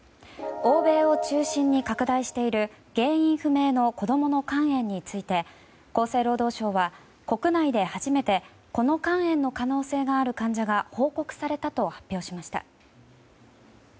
欧米を中心に拡大している原因不明の子供の肝炎について厚生労働省は国内で初めてこの肝炎の可能性のある患者が報告されたと発表しました。